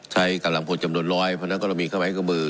ใช้กำลังพลจำนวนร้อยเพราะฉะนั้นก็เรามีเข้ามาให้เครื่องมือ